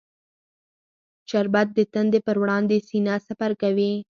شربت د تندې پر وړاندې سینه سپر کوي